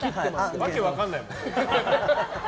訳分からないもん。